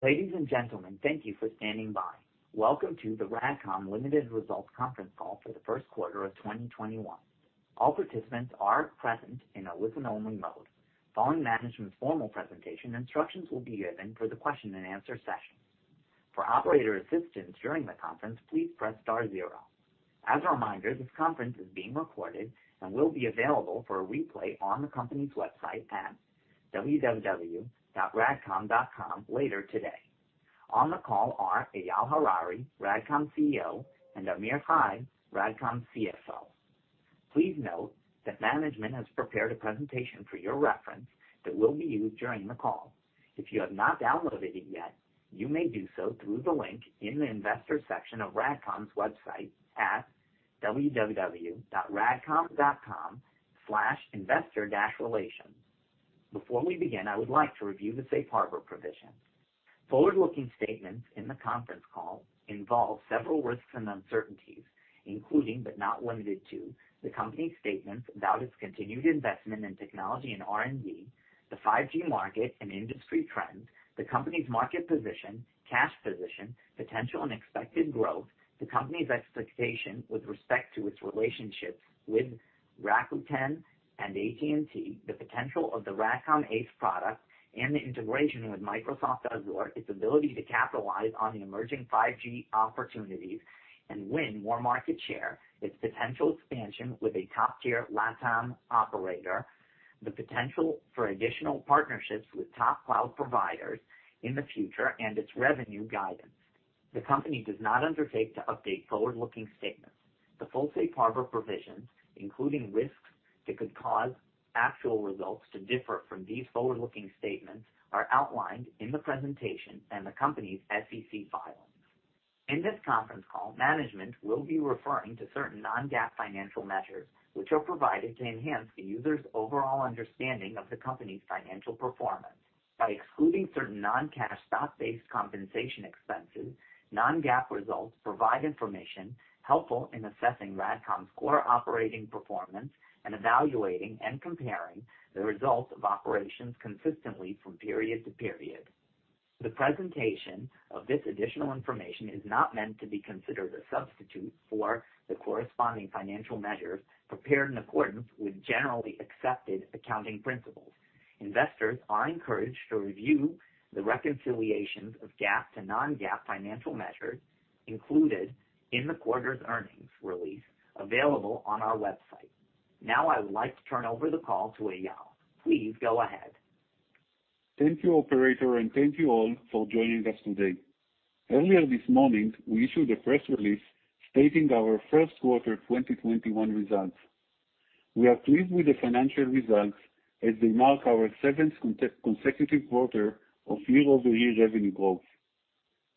Ladies and gentlemen, thank you for standing by. Welcome to the RADCOM Ltd. Results Conference Call for the Q1 of 2021. All participants are present in a listen-only mode. Following management's formal presentation, instructions will be given for the question and answer session. For operator assistance during the conference, please press star zero. As a reminder, this conference is being recorded and will be available for a replay on the company's website at www.radcom.com later today. On the call are Eyal Harari, RADCOM CEO, and Amir Hai, RADCOM CFO. Please note that management has prepared a presentation for your reference that will be used during the call. If you have not downloaded it yet, you may do so through the link in the investor section of RADCOM's website at www.radcom.com/investor-relations. Before we begin, I would like to review the safe harbor provision. Forward-looking statements in the conference call involve several risks and uncertainties, including, but not limited to, the company's statements about its continued investment in technology and R&D, the 5G market and industry trends, the company's market position, cash position, potential unexpected growth, the company's expectation with respect to its relationships with Rakuten and AT&T, the potential of the RADCOM ACE product and the integration with Microsoft Azure, its ability to capitalize on the emerging 5G opportunities and win more market share, its potential expansion with a top-tier LATAM operator, the potential for additional partnerships with top cloud providers in the future, and its revenue guidance. The company does not undertake to update forward-looking statements. The full safe harbor provisions, including risks that could cause actual results to differ from these forward-looking statements, are outlined in the presentation and the company's SEC filings. In this conference call, management will be referring to certain non-GAAP financial measures, which are provided to enhance the user's overall understanding of the company's financial performance. By excluding certain non-cash stock-based compensation expenses, non-GAAP results provide information helpful in assessing RADCOM's core operating performance and evaluating and comparing the results of operations consistently from period to period. The presentation of this additional information is not meant to be considered a substitute for the corresponding financial measures prepared in accordance with generally accepted accounting principles. Investors are encouraged to review the reconciliations of GAAP to non-GAAP financial measures included in the quarter's earnings release available on our website. Now I would like to turn over the call to Eyal. Please go ahead. Thank you, operator, and thank you all for joining us today. Earlier this morning, we issued a press release stating our Q1 2021 results. We are pleased with the financial results as they mark our seventh consecutive quarter of year-over-year revenue growth.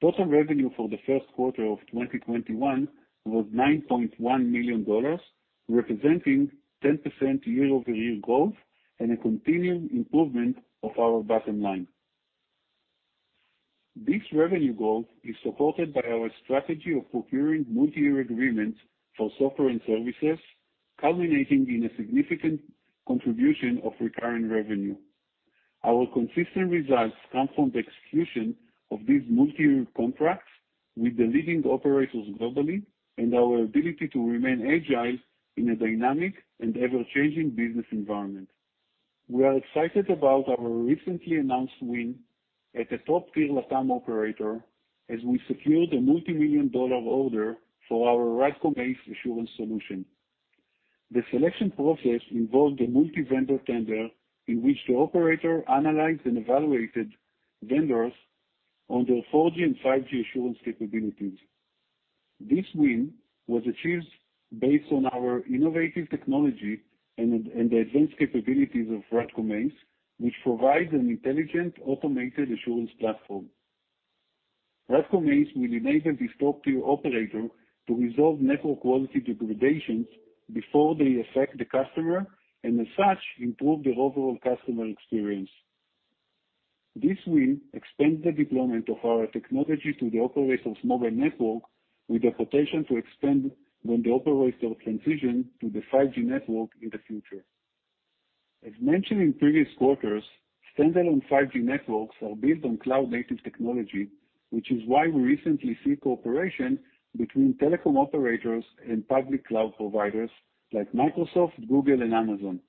Total revenue for the Q1 of 2021 was $9.1 million, representing 10% year-over-year growth and a continued improvement of our bottom line. This revenue growth is supported by our strategy of procuring multi-year agreements for software and services, culminating in a significant contribution of recurring revenue. Our consistent results come from the execution of these multi-year contracts with the leading operators globally and our ability to remain agile in a dynamic and ever-changing business environment. We are excited about our recently announced win at the top-tier LATAM operator as we secured a multi-million dollar order for our RADCOM ACE assurance solution. The selection process involved a multi-vendor tender in which the operator analyzed and evaluated vendors on their 4G and 5G assurance capabilities. This win was achieved based on our innovative technology and the advanced capabilities of RADCOM ACE, which provides an intelligent, automated assurance platform. RADCOM ACE will enable this top-tier operator to resolve network quality degradations before they affect the customer, and as such, improve their overall customer experience. This win expands the deployment of our technology to the operator's mobile network with the potential to expand when the operator transitions to the 5G network in the future. As mentioned in previous quarters, standalone 5G networks are built on cloud-native technology, which is why we recently see cooperation between telecom operators and public cloud providers like Microsoft, Google, and Amazon.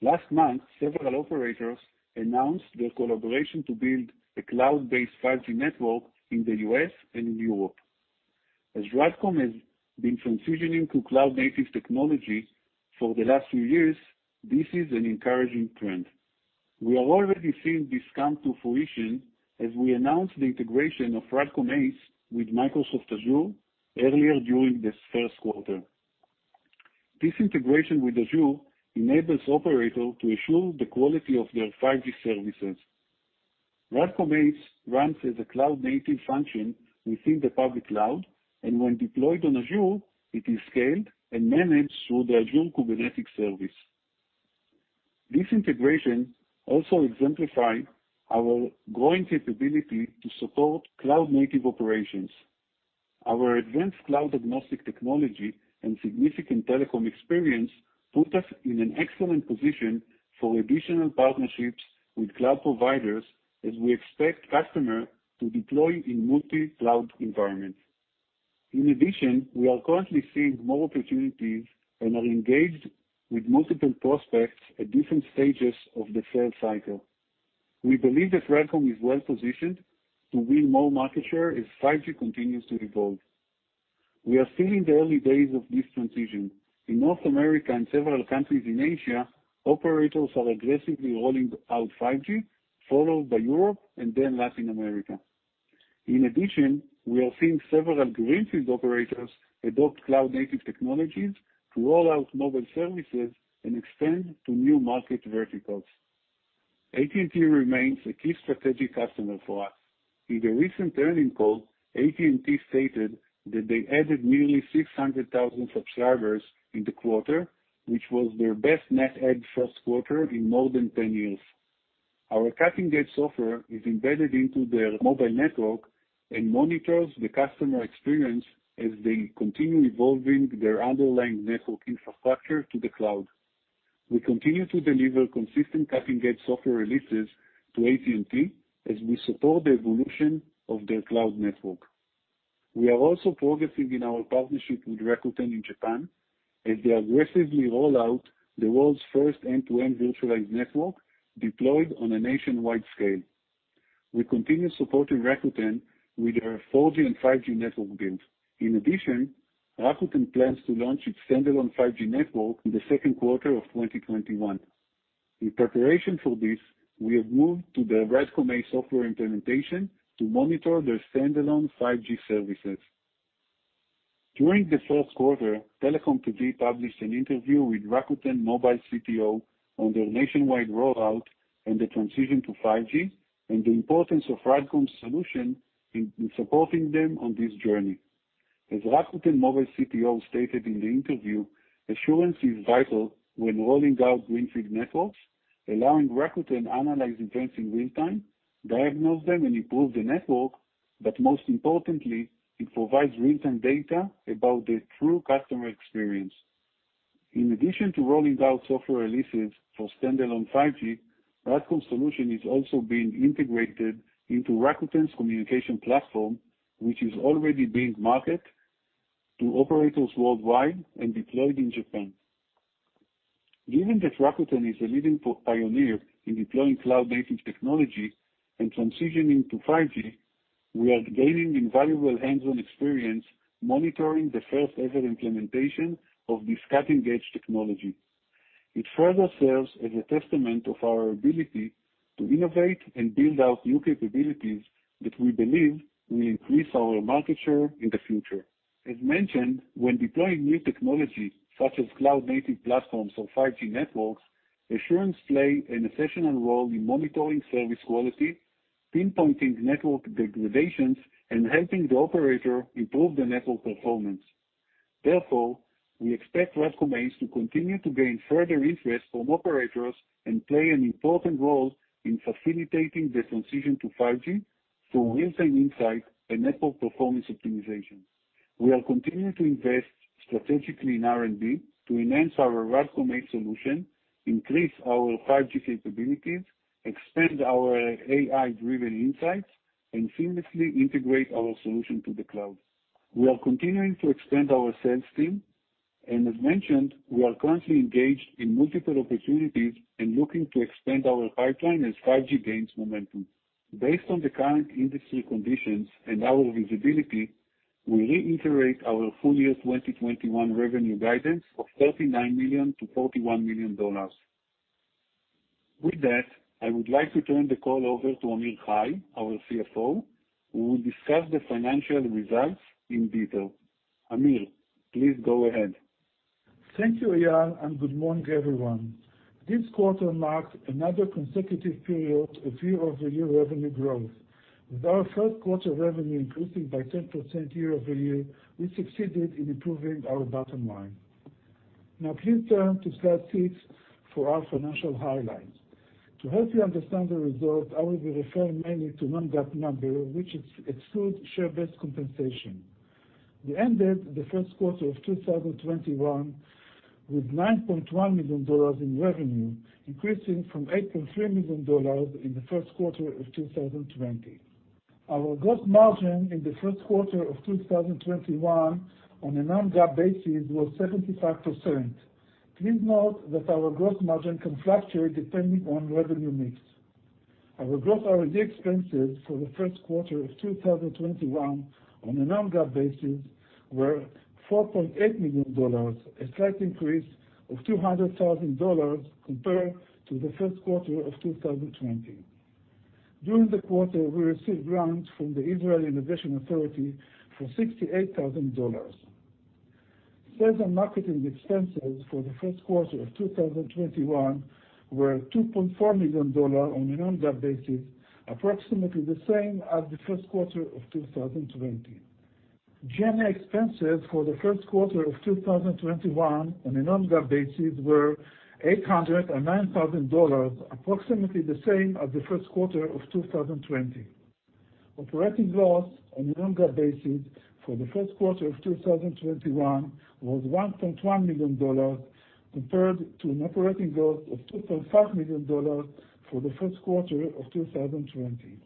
Last month, several operators announced their collaboration to build a cloud-based 5G network in the U.S. and in Europe. As RADCOM has been transitioning to cloud-native technology for the last few years, this is an encouraging trend. We are already seeing this come to fruition as we announced the integration of RADCOM ACE with Microsoft Azure earlier during this Q1. This integration with Azure enables operators to assure the quality of their 5G services. RADCOM ACE runs as a cloud-native function within the public cloud, and when deployed on Azure, it is scaled and managed through the Azure Kubernetes Service. This integration also exemplifies our growing capability to support cloud-native operations. Our advanced cloud agnostic technology and significant telecom experience put us in an excellent position for additional partnerships with cloud providers as we expect customers to deploy in multi-cloud environments. In addition, we are currently seeing more opportunities and are engaged with multiple prospects at different stages of the sales cycle. We believe that RADCOM is well positioned to win more market share as 5G continues to evolve. We are still in the early days of this transition. In North America and several countries in Asia, operators are aggressively rolling out 5G, followed by Europe and then Latin America. In addition, we are seeing several greenfield operators adopt cloud-native technologies to roll out mobile services and expand to new market verticals. AT&T remains a key strategic customer for us. In the recent earning call, AT&T stated that they added nearly 600,000 subscribers in the quarter, which was their best net add Q1 in more than 10 years. Our cutting-edge software is embedded into their mobile network and monitors the customer experience as they continue evolving their underlying network infrastructure to the cloud. We continue to deliver consistent cutting-edge software releases to AT&T as we support the evolution of their cloud network. We are also progressing in our partnership with Rakuten in Japan as they aggressively roll out the world's first end-to-end virtualized network deployed on a nationwide scale. We continue supporting Rakuten with their 4G and 5G network build. In addition, Rakuten plans to launch its standalone 5G network in the Q2 of 2021. In preparation for this, we have moved to the RADCOM ACE software implementation to monitor their standalone 5G services. During the Q1, TelecomTV published an interview with Rakuten Mobile CTO on their nationwide rollout and the transition to 5G and the importance of RADCOM's solution in supporting them on this journey. As Rakuten Mobile CTO stated in the interview, assurance is vital when rolling out greenfield networks, allowing Rakuten analyze events in real time, diagnose them, and improve the network, but most importantly, it provides real-time data about the true customer experience. In addition to rolling out software releases for standalone 5G, RADCOM solution is also being integrated into Rakuten's communication platform, which is already being marketed to operators worldwide and deployed in Japan. Given that Rakuten is a leading pioneer in deploying cloud-native technology and transitioning to 5G, we are gaining invaluable hands-on experience monitoring the first-ever implementation of this cutting-edge technology. It further serves as a testament of our ability to innovate and build out new capabilities that we believe will increase our market share in the future. As mentioned, when deploying new technology such as cloud-native platforms or 5G networks, assurance plays an essential role in monitoring service quality, pinpointing network degradations, and helping the operator improve the network performance. We expect RADCOM ACE to continue to gain further interest from operators and play an important role in facilitating the transition to 5G through real-time insight and network performance optimization. We are continuing to invest strategically in R&D to enhance our RADCOM ACE solution, increase our 5G capabilities, expand our AI-driven insights, and seamlessly integrate our solution to the cloud. We are continuing to expand our sales team and as mentioned, we are currently engaged in multiple opportunities and looking to expand our pipeline as 5G gains momentum. Based on the current industry conditions and our visibility, we reiterate our full year 2021 revenue guidance of $39 million-$41 million. With that, I would like to turn the call over to Amir Hai, our CFO, who will discuss the financial results in detail. Amir, please go ahead. Thank you, Eyal, and good morning, everyone. This quarter marked another consecutive period of year-over-year revenue growth. With our Q1 revenue increasing by 10% year-over-year, we succeeded in improving our bottom line. Now please turn to slide six for our financial highlights. To help you understand the results, I will be referring mainly to non-GAAP numbers, which exclude share-based compensation. We ended the Q1 of 2021 with $9.1 million in revenue, increasing from $8.3 million in the Q1 of 2020. Our gross margin in the Q1 of 2021 on a non-GAAP basis was 75%. Please note that our gross margin can fluctuate depending on revenue mix. Our gross R&D expenses for the first quarter of 2021 on a non-GAAP basis were $4.8 million, a slight increase of $200,000 compared to the Q1 of 2020. During the quarter, we received grants from the Israel Innovation Authority for $68,000. Sales and marketing expenses for the Q1 of 2021 were $2.4 million on a non-GAAP basis, approximately the same as the first quarter of 2020. General expenses for the Q1 of 2021 on a non-GAAP basis were $809,000, approximately the same as the Q1 of 2020. Operating loss on a non-GAAP basis for the Q1 of 2021 was $1.1 million, compared to an operating loss of $2.5 million for the Q1 of 2020.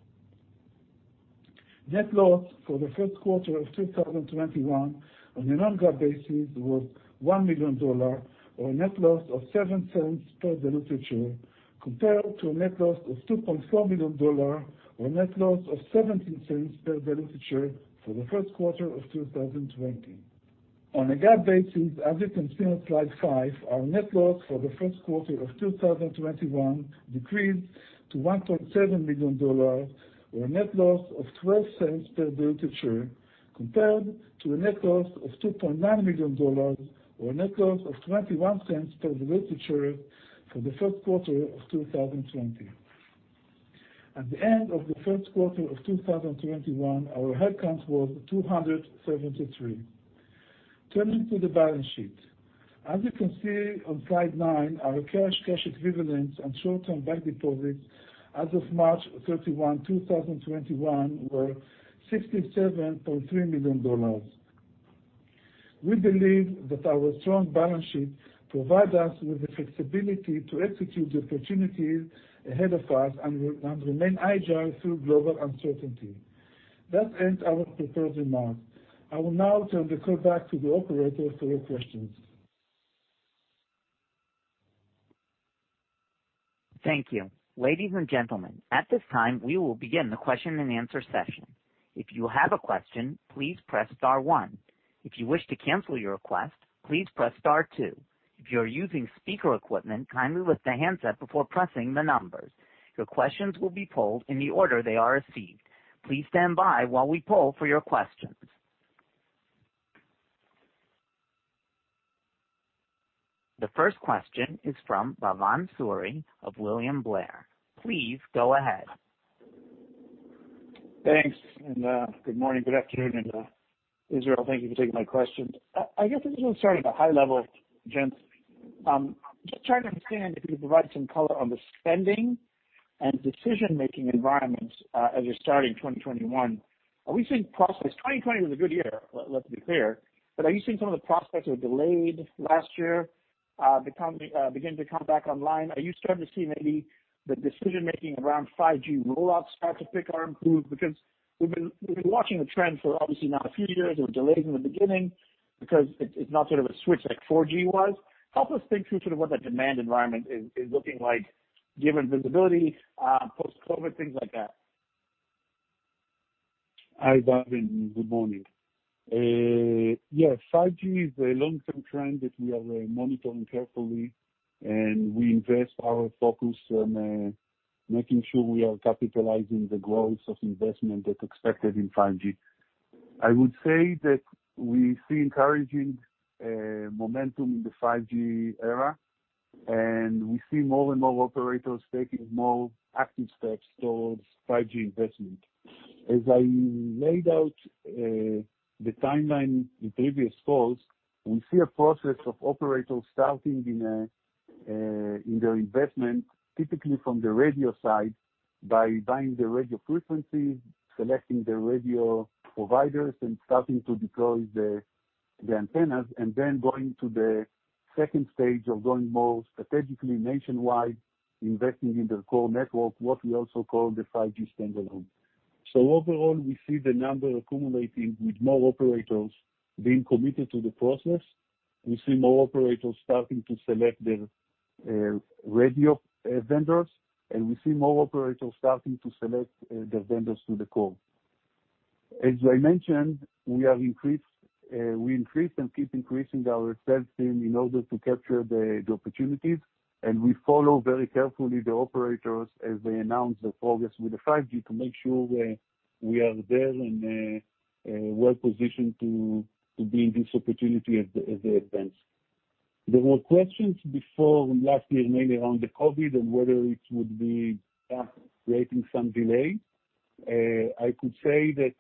Net loss for the first quarter of 2021 on a non-GAAP basis was $1 million, or a net loss of $0.07 per dilutive share, compared to a net loss of $2.4 million, or a net loss of $0.17 per dilutive share for the Q1 of 2020. On a GAAP basis, as you can see on slide five, our net loss for the Q1 of 2021 decreased to $1.7 million, or a net loss of $0.12 per dilutive share, compared to a net loss of $2.9 million, or a net loss of $0.21 per dilutive share for the Q1 of 2020. At the end of the Q1 of 2021, our headcount was 273. Turning to the balance sheet. As you can see on slide nine, our cash equivalents, and short-term bank deposits as of March 31, 2021, were $67.3 million. We believe that our strong balance sheet provides us with the flexibility to execute the opportunities ahead of us and remain agile through global uncertainty. That ends our prepared remarks. I will now turn the call back to the operator for your questions. The first question is from Bhavan Suri of William Blair. Please go ahead. Thanks, and good morning. Good afternoon. Israel, thank you for taking my question. I guess I just want to start at the high level, gents. Just trying to understand, if you could provide some color on the spending and decision-making environments as you're starting 2021. Are we seeing 2020 was a good year, let's be clear, but are you seeing some of the prospects that were delayed last year begin to come back online? Are you starting to see maybe the decision-making around 5G roll-outs start to pick or improve? We've been watching the trend for obviously now a few years. There were delays in the beginning because it's not a switch like 4G was. Help us think through what the demand environment is looking like given visibility, post-COVID, things like that. Hi, Bhavan, good morning. Yeah, 5G is a long-term trend that we are monitoring carefully, and we invest our focus on making sure we are capitalizing the growth of investment that's expected in 5G. I would say that we see encouraging momentum in the 5G era, and we see more and more operators taking more active steps towards 5G investment. As I laid out the timeline in previous calls, we see a process of operators starting in their investment, typically from the radio side, by buying the radio frequencies, selecting the radio providers, and starting to deploy the antennas, and then going to the stage two of going more strategically nationwide, investing in their core network, what we also call the 5G Standalone. So overall, we see the number accumulating with more operators being committed to the process. We see more operators starting to select their radio vendors, and we see more operators starting to select the vendors to the core. As I mentioned, we increased and keep increasing our sales team in order to capture the opportunities, and we follow very carefully the operators as they announce their progress with the 5G to make sure we are there and well-positioned to be in this opportunity as they advance. There were questions before last year, mainly around the COVID, and whether it would be creating some delays. I could say that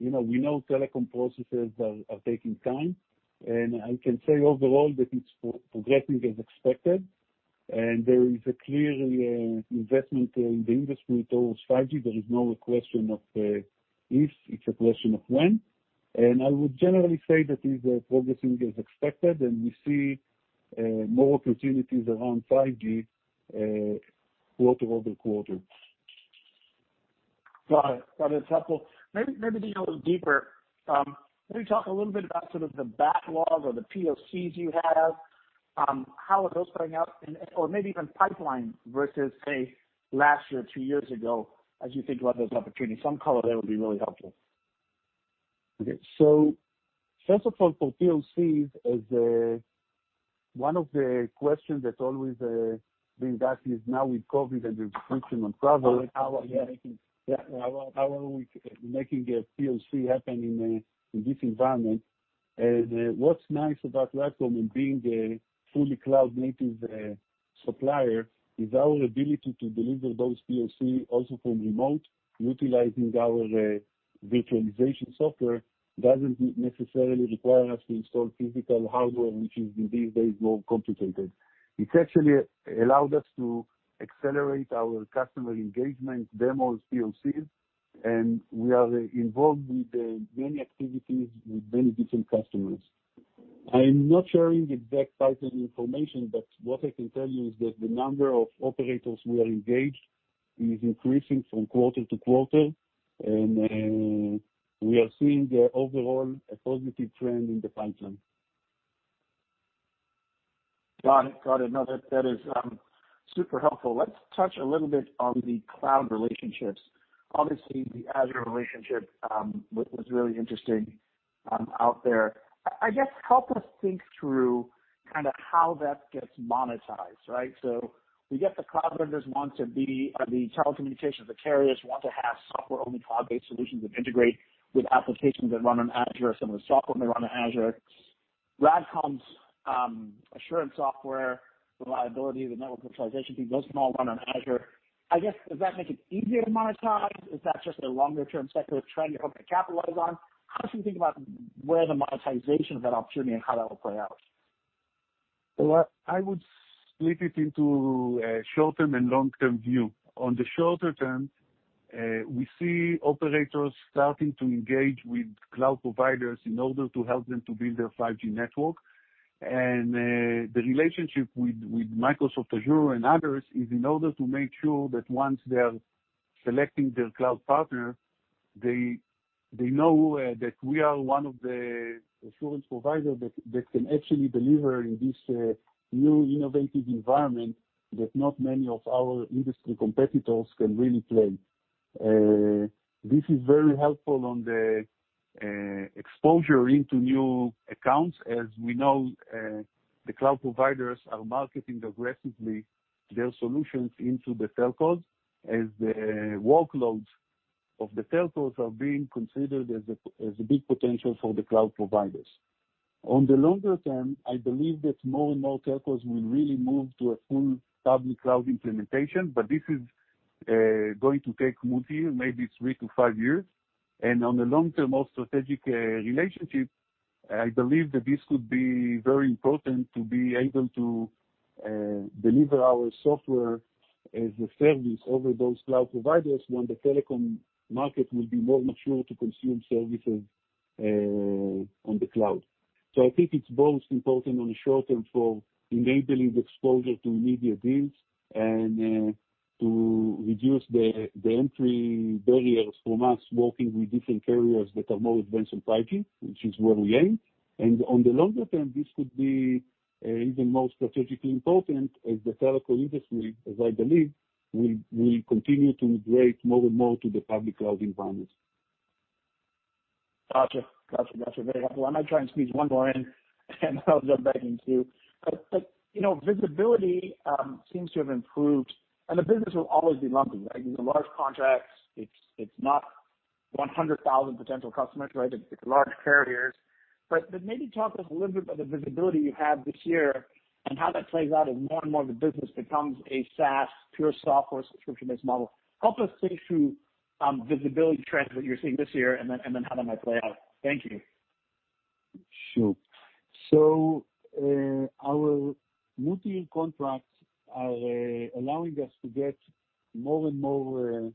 we know telecom processes are taking time, and I can say overall that it's progressing as expected, and there is a clear investment in the industry towards 5G. There is no question of if, it's a question of when. I would generally say that it's progressing as expected, and we see more opportunities around 5G quarter-over-quarter. Got it. That is helpful. Maybe to go a little deeper, can you talk a little bit about the backlogs or the POCs you have? How are those turning out? Maybe even pipeline versus, say, last year, two years ago, as you think about those opportunities. Some color there would be really helpful. Okay. First of all, for POCs, as one of the questions that's always being asked is now with COVID and the restriction on travel. Oh, yeah. How are we making a POC happen in this environment? What's nice about RADCOM and being a fully cloud-native supplier is our ability to deliver those POC also from remote, utilizing our Virtualization software doesn't necessarily require us to install physical hardware, which is, these days, more complicated. It's actually allowed us to accelerate our customer engagement demos, POCs, and we are involved with many activities with many different customers. I'm not sharing the exact size of the information, but what I can tell you is that the number of operators we are engaged is increasing from quarter to quarter, and we are seeing the overall positive trend in the pipeline. Got it. That is super helpful. Let's touch a little bit on the cloud relationships. The Azure relationship was really interesting out there. Help us think through how that gets monetized, right? We get the cloud vendors want to be the telecommunications. The carriers want to have software-only cloud-based solutions that integrate with applications that run on Azure. Some of the software may run on Azure. RADCOM's assurance software reliability, the network virtualization piece, those can all run on Azure. Does that make it easier to monetize? Is that just a longer-term secular trend you're hoping to capitalize on? How should we think about where the monetization of that opportunity and how that will play out? Well, I would split it into a short-term and long-term view. On the shorter term, we see operators starting to engage with cloud providers in order to help them to build their 5G network. The relationship with Microsoft Azure and others is in order to make sure that once they are selecting their cloud partner, they know that we are one of the assurance providers that can actually deliver in this new innovative environment that not many of our industry competitors can really play. This is very helpful on the exposure into new accounts. As we know, the cloud providers are marketing aggressively their solutions into the telcos, as the workloads of the telcos are being considered as a big potential for the cloud providers. On the longer term, I believe that more and more telcos will really move to a full public cloud implementation, but this is going to take multi, maybe three - five years. On the long-term, more strategic relationship, I believe that this could be very important to be able to deliver our software as a service over those cloud providers when the telecom market will be more mature to consume services on the cloud. I think it's both important on the short-term for enabling the exposure to immediate deals and to reduce the entry barriers from us working with different carriers that are more advanced in 5G, which is where we aim. On the longer term, this could be even more strategically important as the telco industry, as I believe, will continue to migrate more and more to the public cloud environment. Got you. Very helpful. I might try and squeeze one more in, and I'll jump back in, too. Visibility seems to have improved, and the business will always be lumpy, right? These are large contracts. It's not 100,000 potential customers, right? It's large carriers. Maybe talk to us a little bit about the visibility you have this year and how that plays out as more and more of the business becomes a SaaS, pure software subscription-based model. Help us think through visibility trends that you're seeing this year and then how that might play out. Thank you. Our multi-year contracts are allowing us to get more and more,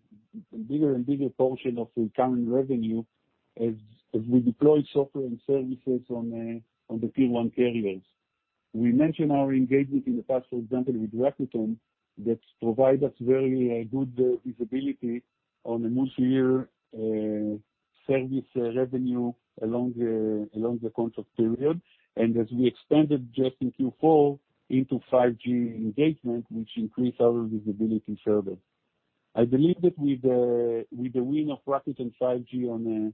bigger and bigger portion of the recurring revenue as we deploy software and services on the Tier 1 carriers. We mentioned our engagement in the past, for example, with Rakuten, that provide us very good visibility on a multi-year service revenue along the contract period. As we expanded just in Q4 into 5G engagement, which increased our visibility further. I believe that with the win of Rakuten 5G in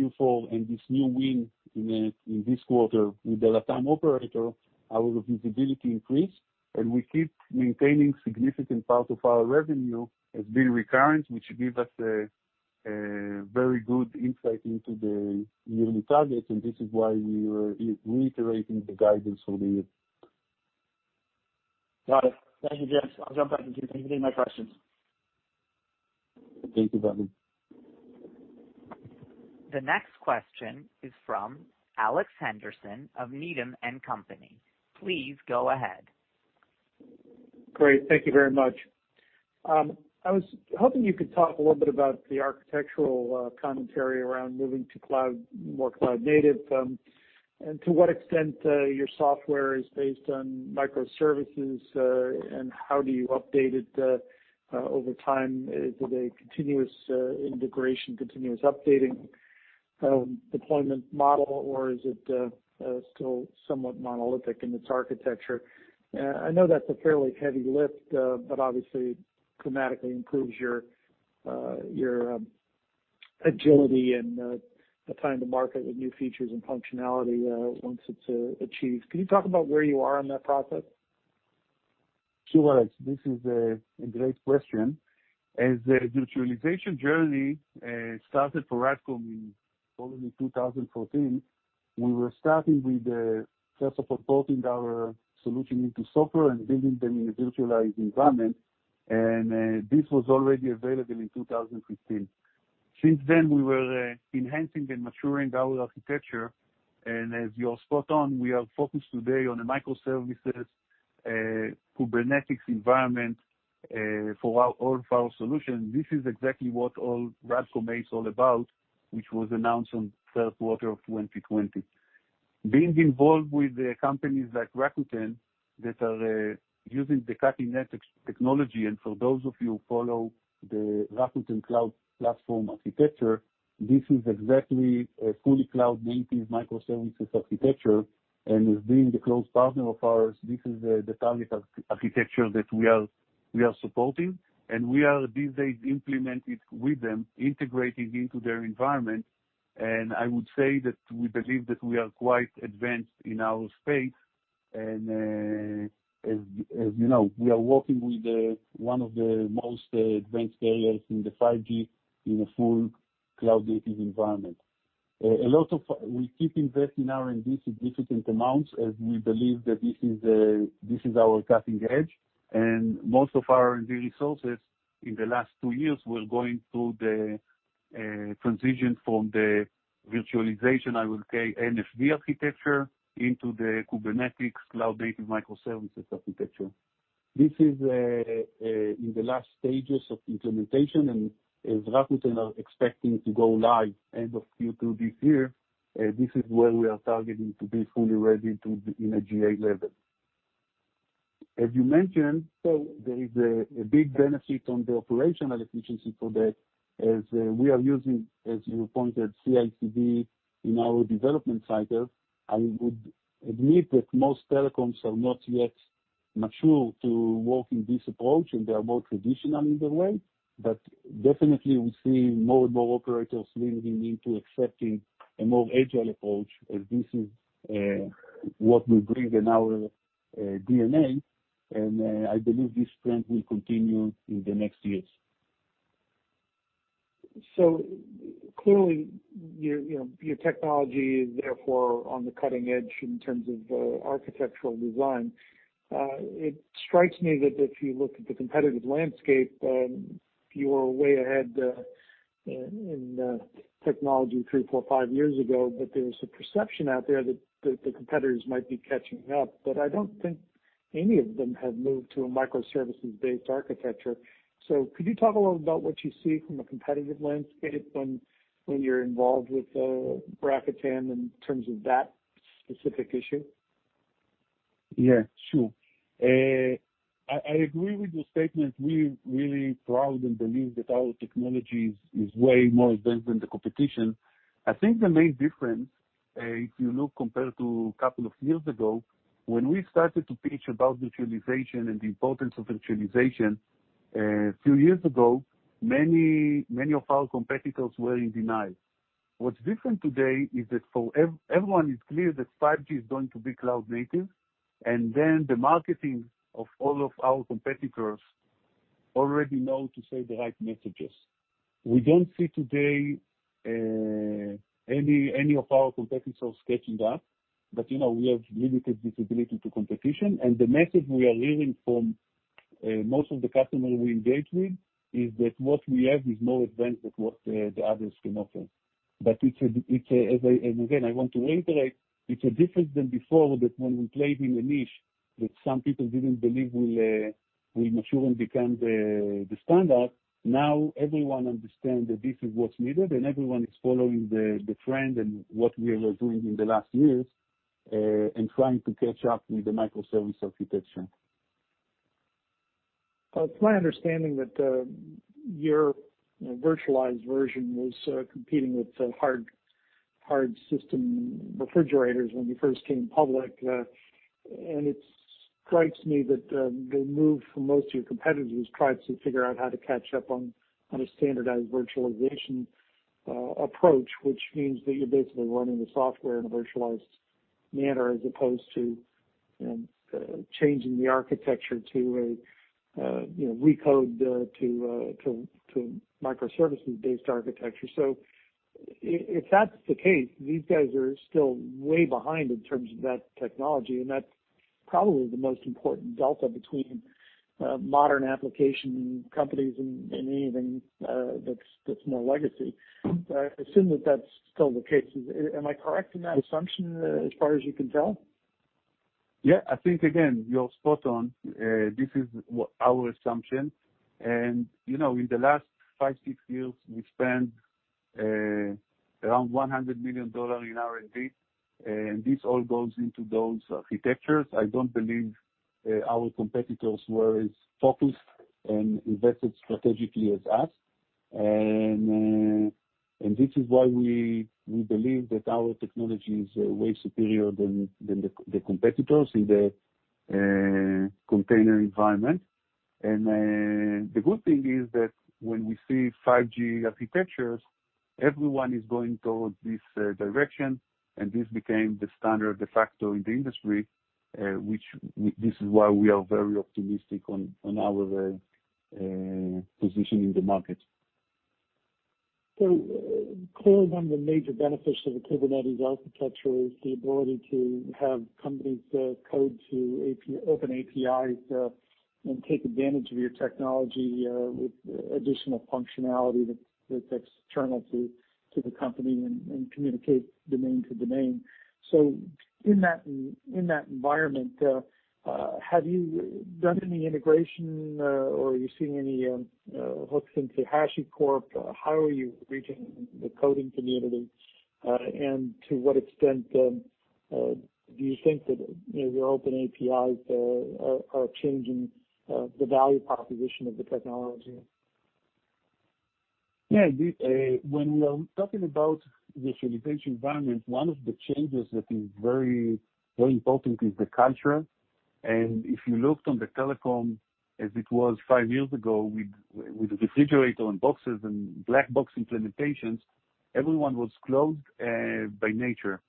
Q4 and this new win in this quarter with the LatAm operator, our visibility increased, and we keep maintaining significant part of our revenue as being recurrent, which give us a very good insight into the yearly targets, and this is why we were reiterating the guidance for the year. Got it. Thank you, gents. I'll jump back in queue. Thank you for my questions. Thank you, Bobby. The next question is from Alex Henderson of Needham & Company. Please go ahead. Great. Thank you very much. I was hoping you could talk a little bit about the architectural commentary around moving to more cloud-native, and to what extent your software is based on microservices, and how do you update it over time? Is it a continuous integration, continuous updating deployment model, or is it still somewhat monolithic in its architecture? I know that's a fairly heavy lift, but obviously dramatically improves your agility and the time to market with new features and functionality once it's achieved. Can you talk about where you are in that process? Sure, Alex. This is a great question. As the virtualization journey started for RADCOM in probably 2014, we were starting with first of supporting our solution into software and building them in a virtualized environment, and this was already available in 2015. Since then, we were enhancing and maturing our architecture, and as you're spot on, we are focused today on the microservices, Kubernetes environment for our old file solution. This is exactly what RADCOM ACE is all about, which was announced on Q1 of 2020. Being involved with companies like Rakuten that are using the cutting-edge technology, and for those of you who follow the Rakuten cloud platform architecture, this is exactly a fully cloud-native microservices architecture, and as being a close partner of ours, this is the target architecture that we are supporting, and we are these days implemented with them, integrating into their environment. I would say that we believe that we are quite advanced in our space. As you know, we are working with one of the most advanced carriers in the 5G in a full cloud-native environment. We keep investing R&D significant amounts, as we believe that this is our cutting edge. Most of our R&D resources in the last two years were going through the transition from the virtualization, I would say, NFV architecture into the Kubernetes cloud-native microservices architecture. This is in the last stages of implementation, and as Rakuten are expecting to go live end of Q2 this year, this is where we are targeting to be fully ready to be in a GA level. As you mentioned, there is a big benefit on the operational efficiency for that as we are using, as you pointed, CI/CD in our development cycle. I would admit that most telecoms are not yet mature to work in this approach, and they are more traditional in the way. Definitely, we see more and more operators leaning into accepting a more agile approach, as this is what we bring in our DNA, and I believe this trend will continue in the next years. Clearly, your technology is therefore on the cutting edge in terms of architectural design. It strikes me that if you look at the competitive landscape, you were way ahead in technology three, four, five years ago, there was a perception out there that the competitors might be catching up. I don't think any of them have moved to a microservices-based architecture. Could you talk a little about what you see from a competitive landscape when you're involved with Rakuten in terms of that specific issue? Yeah, sure. I agree with your statement. We're really proud and believe that our technology is way more advanced than the competition. I think the main difference, if you look compared to a couple of years ago, when we started to pitch about virtualization and the importance of virtualization, a few years ago, many of our competitors were in denial. What's different today is that for everyone, it's clear that 5G is going to be cloud-native, and then the marketing of all of our competitors already know to say the right messages. We don't see today any of our competitors catching up, but we have limited visibility to competition, and the message we are hearing from most of the customers we engage with is that what we have is more advanced than what the others can offer. Again, I want to reiterate, it's different than before, that when we played in a niche that some people didn't believe will mature and become the standard. Everyone understand that this is what's needed, and everyone is following the trend and what we were doing in the last years, and trying to catch up with the microservices architecture. It's my understanding that your virtualized version was competing with hard system refrigerators when you first came public. It strikes me that the move from most of your competitors tried to figure out how to catch up on a standardized virtualization approach, which means that you're basically running the software in a virtualized manner, as opposed to changing the architecture to recode to microservices-based architecture. If that's the case, these guys are still way behind in terms of that technology, and that's probably the most important delta between modern application companies and anything that's more legacy. I assume that that's still the case. Am I correct in that assumption, as far as you can tell? Yeah, I think again, you're spot on. This is our assumption. In the last five, six years, we spent around $100 million in R&D, and this all goes into those architectures. I don't believe our competitors were as focused and invested strategically as us. This is why we believe that our technology is way superior than the competitors in the container environment. The good thing is that when we see 5G architectures, everyone is going towards this direction, and this became the standard de facto in the industry, which this is why we are very optimistic on our way positioning the market. Clearly, one of the major benefits of a Kubernetes architecture is the ability to have companies code to open APIs and take advantage of your technology with additional functionality that's external to the company and communicate domain to domain. In that environment, have you done any integration or are you seeing any hooks into HashiCorp? How are you reaching the coding community, and to what extent do you think that your open APIs are changing the value proposition of the technology? When we are talking about virtualization environments, one of the changes that is very important is the culture. If you looked on the telecom as it was five years ago with refrigerator and boxes and black box implementations, everyone was closed by nature.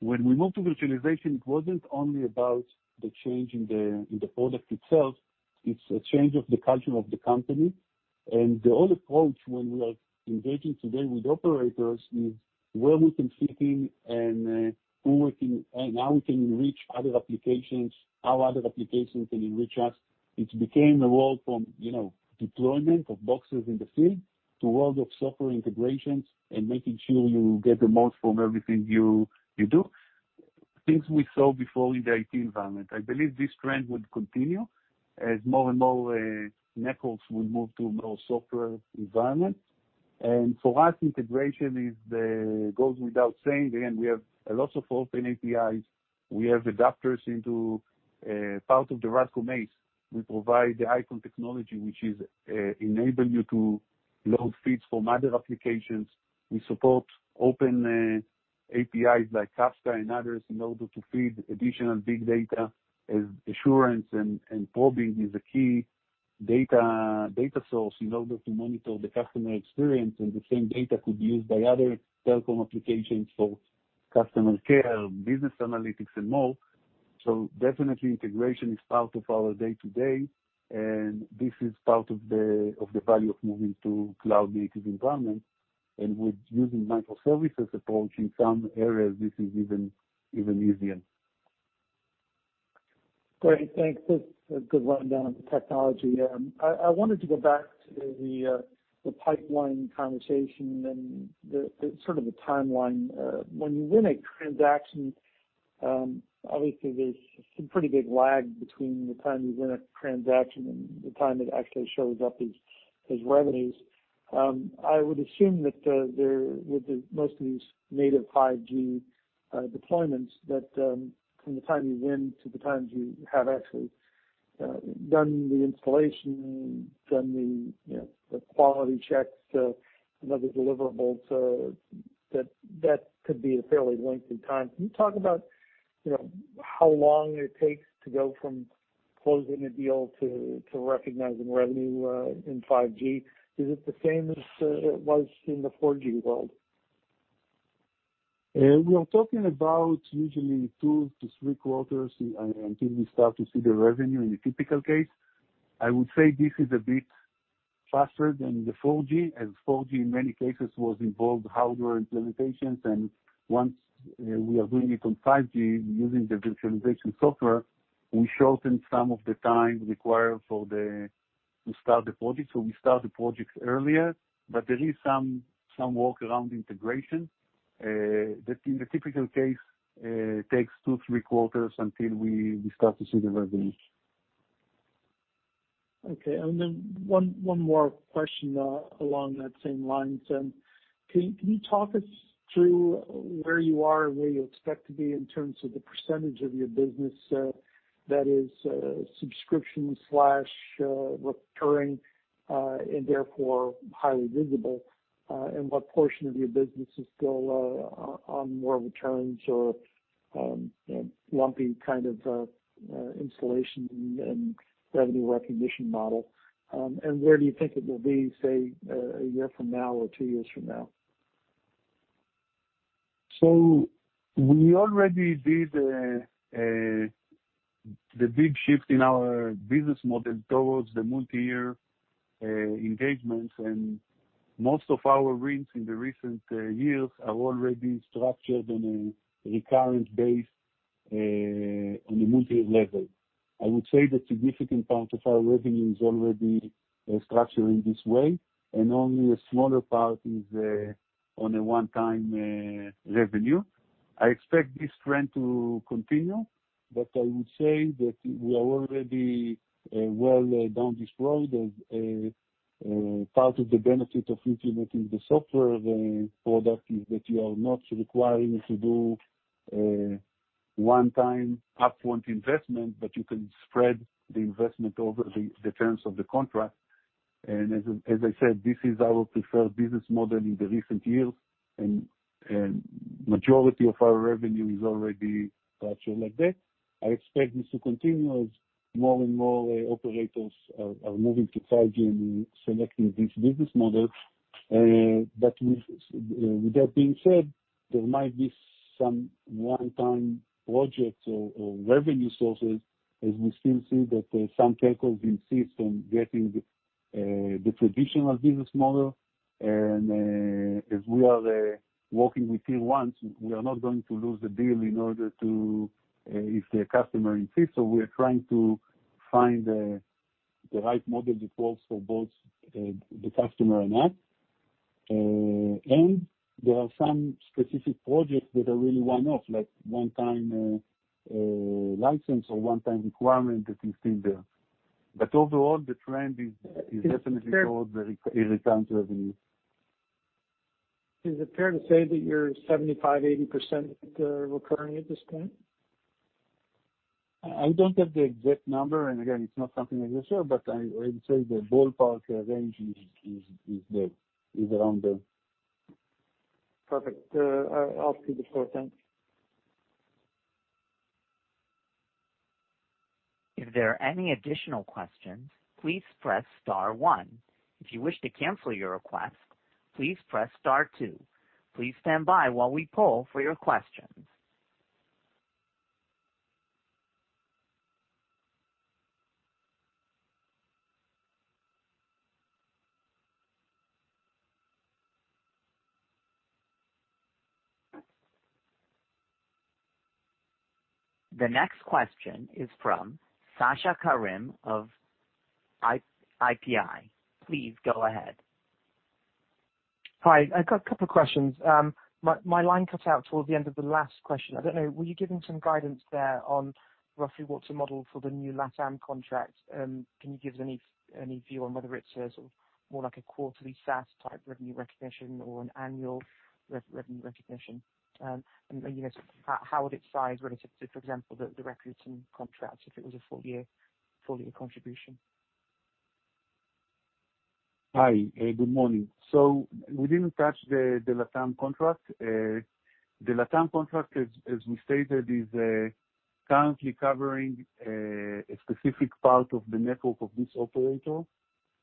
When we moved to virtualization, it wasn't only about the change in the product itself, it's a change of the culture of the company. The only approach when we are engaging today with operators is where we can fit in, and how we can enrich other applications, how other applications can enrich us. It became a world from deployment of boxes in the field to world of software integrations and making sure you get the most from everything you do. Things we saw before in the IT environment. I believe this trend would continue as more and more networks will move to more software environments. For us, integration goes without saying. Again, we have a lot of open APIs. We have adapters into part of the RADCOM ACE. We provide the I.C.O.N. technology, which enable you to load feeds from other applications. We support open APIs like Kafka and others in order to feed additional big data as assurance and probing is a key data source in order to monitor the customer experience, and the same data could be used by other telecom applications for customer care, business analytics, and more. Definitely, integration is part of our day-to-day, and this is part of the value of moving to cloud-native environment and with using microservices approach, in some areas, this is even easier. Great. Thanks. That's a good rundown of the technology. I wanted to go back to the pipeline conversation and then the timeline. When you win a transaction, obviously, there's some pretty big lag between the time you win a transaction and the time it actually shows up as revenues. I would assume that with most of these native 5G deployments that from the time you win to the time you have actually done the installation, done the quality checks and other deliverables, that could be a fairly lengthy time. Can you talk about how long it takes to go from closing a deal to recognizing revenue in 5G? Is it the same as it was in the 4G world? We are talking about usually two to three quarters until we start to see the revenue in a typical case. I would say this is a bit faster than the 4G, as 4G, in many cases, was involved hardware implementations, and once we are doing it on 5G using the virtualization software, we shorten some of the time required to start the project. So we start the project earlier, but there is some workaround integration, that in the typical case takes two, Q3 until we start to see the revenues. Okay. Then one more question along that same line. Can you talk us through where you are and where you expect to be in terms of the percentage of your business that is subscription/recurring, and therefore highly visible, and what portion of your business is still on more returns or lumpy kind of installation and revenue recognition model? Where do you think it will be, say, a year from now or two years from now? We already did the big shift in our business model towards the multi-year engagements, and most of our wins in the recent years are already structured on a recurrent base on a multi-level. I would say that significant part of our revenue is already structured in this way, and only a smaller part is on a one-time revenue. I expect this trend to continue, but I would say that we are already well down this road as part of the benefit of implementing the software. The product is that you are not requiring to do a one-time up-front investment, but you can spread the investment over the terms of the contract. As I said, this is our preferred business model in the recent years, and majority of our revenue is already structured like that. I expect this to continue as more and more operators are moving to 5G and selecting this business model. With that being said, there might be some one-time projects or revenue sources, as we still see that some telcos insist on getting the traditional business model. As we are working with Tier 1s, we are not going to lose the deal if the customer insists, so we are trying to find the right model that works for both the customer and us. There are some specific projects that are really one-off, like one-time license or one-time requirement that you see there. Overall, the trend is definitely toward the recurring revenue. Is it fair to say that you're 75%, 80% recurring at this point? I don't have the exact number, and again, it's not something that is sure, but I would say the ballpark range is around there. Perfect. I'll see the floor then. The next question is from Sasha Karim of IPI. Please go ahead. Hi, I've got a couple of questions. My line cut out towards the end of the last question. I do not know, were you giving some guidance there on roughly what is the model for the new LATAM contract? Can you give any view on whether it is more like a quarterly SaaS-type revenue recognition or an annual revenue recognition? How would it size relative to, for example, the Rakuten contracts, if it was a full-year contribution? Hi, good morning. We didn't touch the LATAM contract. The LATAM contract, as we stated, is currently covering a specific part of the network of this operator,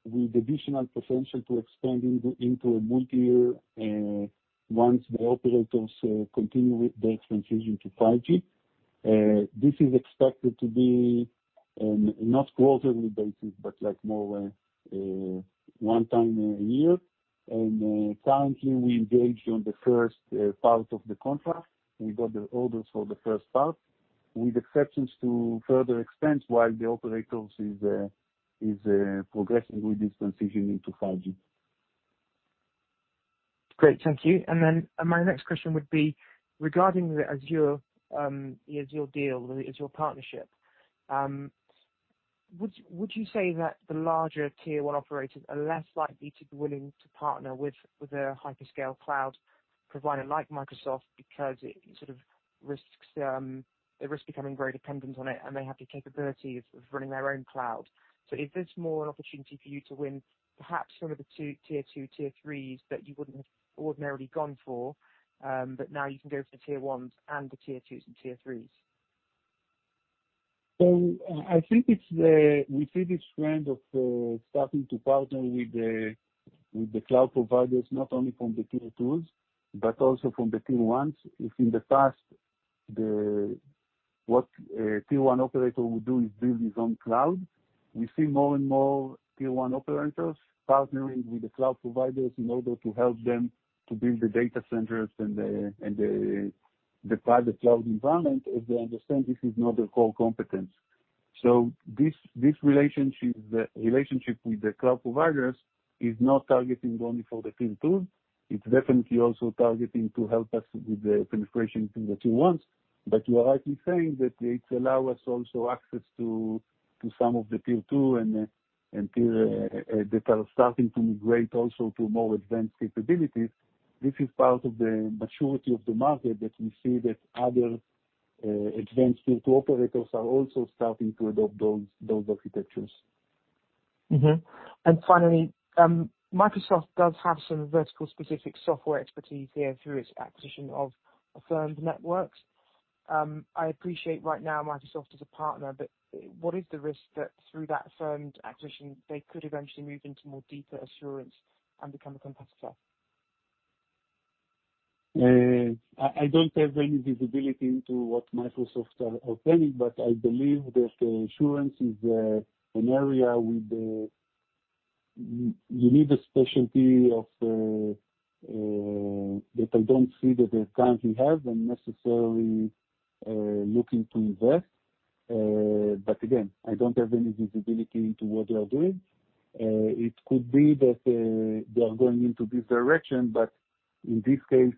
with additional potential to expand into a multi-year, once the operators continue with their transition to 5G. This is expected to be, not quarterly basis, but more one time a year. Currently, we engaged on the first part of the contract. We got the orders for the first part, with exceptions to further expense while the operator is progressing with this transition into 5G. Great, thank you. My next question would be regarding the Azure deal, the Azure partnership. Would you say that the larger Tier 1 operators are less likely to be willing to partner with a hyperscale cloud provider like Microsoft because they risk becoming very dependent on it, and they have the capability of running their own cloud? Is this more an opportunity for you to win perhaps some of the Tier 2, Tier 3s that you wouldn't have ordinarily gone for, but now you can go for Tier 1s and the Tier 2s and Tier 3s? I think we see this trend of starting to partner with the cloud providers, not only from the Tier 2s, but also from the Tier 1s. If in the past, what a Tier 1 operator would do is build his own cloud, we see more and more Tier 1 operators partnering with the cloud providers in order to help them to build the data centers and the private cloud environment, as they understand this is not their core competence. This relationship with the cloud providers is not targeting only for the Tier 2. It's definitely also targeting to help us with the penetration in the Tier 1s. You are rightly saying that it allow us also access to some of the Tier 2 and Tier 3 that are starting to migrate also to more advanced capabilities. This is part of the maturity of the market, that we see that other advanced Tier 2 operators are also starting to adopt those architectures. Mm-hmm. Finally, Microsoft does have some vertical-specific software expertise here through its acquisition of Affirmed Networks. I appreciate right now Microsoft is a partner, but what is the risk that through that Affirmed acquisition, they could eventually move into more deeper assurance and become a competitor? I don't have any visibility into what Microsoft are planning, but I believe that assurance is an area with You need a specialty that I don't see that they currently have and necessarily looking to invest. Again, I don't have any visibility into what they are doing. It could be that they are going into this direction, but in this case,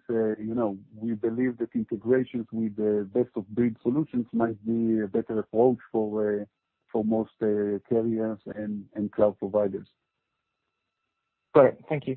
we believe that integrations with the best-of-breed solutions might be a better approach for most carriers and cloud providers. Great. Thank you.